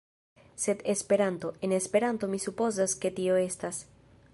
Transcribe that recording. Sed Esperanto, en Esperanto mi supozas ke tio estas...